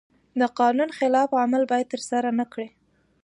د قانون خلاف عمل باید ترسره نکړي.